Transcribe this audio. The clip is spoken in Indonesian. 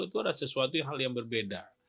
itu ada sesuatu hal yang berbeda